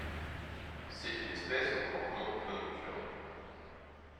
C'est une espèce au comportement plutôt nocturne.